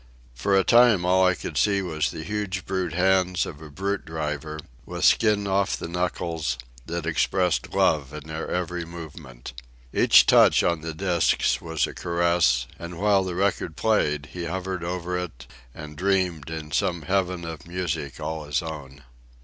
For a time all I could see was the huge brute hands of a brute driver, with skin off the knuckles, that expressed love in their every movement. Each touch on the discs was a caress, and while the record played he hovered over it and dreamed in some heaven of music all his own.